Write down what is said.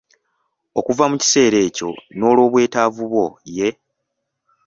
Okuva mu kiseera ekyo n’olw’obwetaavu obwo ye